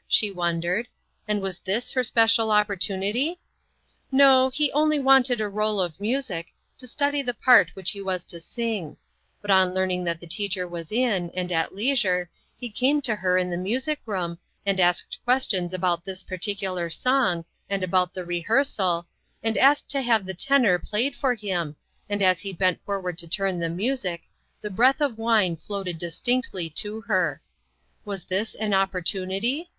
she wondered, and was this her special opportunity ? No, he only wanted a roll of music, to study the part which he was to sing ; but on learning that the teacher was in, and at leisure, he came to her in the music room, and asked ques tions about this particular song, and about the rehearsal, and asked to have the tenor played for him, and as he bent forward to turn the music, the breath of wine floated distinctly to her. Was this an opportunit}'